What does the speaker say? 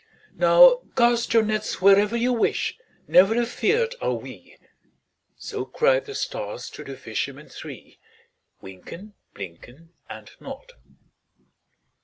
"Now cast your nets wherever you wish,— Never afeard are we!" So cried the stars to the fishermen three, Wynken, Blynken, And Nod.